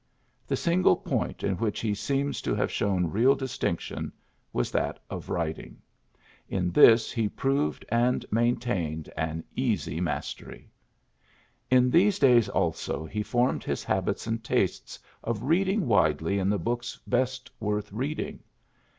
The single point in which he seems to have shown real dis tinction was that of writing : in this he proved and maintained an easy mastery. 12 PHILLIPS BEOOKS In these days, also, he formed his habits and tastes of reading widely in the books best worth reading.